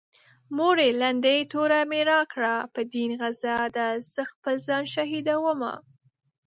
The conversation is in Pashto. مورې لنډۍ توره مې راکړه په دين غزا ده زه خپل ځان شهيدومه